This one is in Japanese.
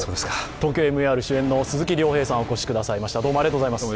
「ＴＯＫＹＯＭＥＲ」主演の鈴木亮平さんにお越しいただきました。